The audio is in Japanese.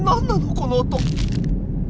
この音。